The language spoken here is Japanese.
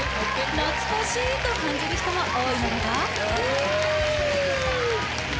懐かしいと感じる人も多いのでは？